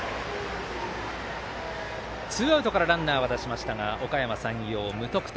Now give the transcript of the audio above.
ツーアウトからランナーを出しましたがおかやま山陽、無得点。